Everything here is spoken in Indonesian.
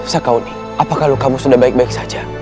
sakauni apakah lukamu sudah baik baik saja